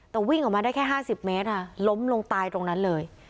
แต่วิ่งออกมาได้แค่๕๐เมตรค่ะล้มลงตายตรงนั้นเลย